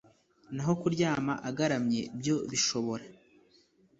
naho kuryama agaramye byo bishobora